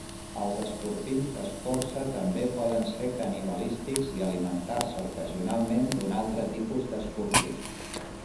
Els escorpins d'escorça també poden ser canibalístics i alimentar-se ocasionalment d'un altre tipus d'escorpí.